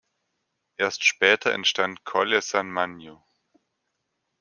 Erst später entstand Colle San Magno.